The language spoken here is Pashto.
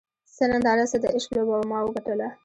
څه ننداره څه د عشق لوبه وه ما وګټله